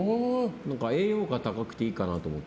栄養価が高くていいかなって。